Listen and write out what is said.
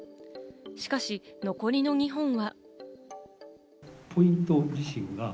しかし残りの２本は。